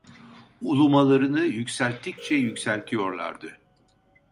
Ulumalarını yükselttikçe yükseltiyorlardı.